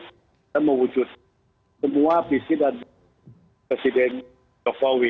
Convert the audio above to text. kita mewujudkan semua visi dan presiden jokowi